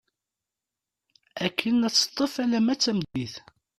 Akken ad teṭṭef alamma d tameddit.